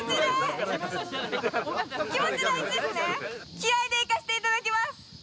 気合いでいかせていただきます！